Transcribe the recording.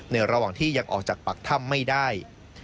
ระหว่างที่ยังออกจากปากถ้ำไม่ได้